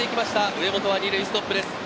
上本は２塁ストップです。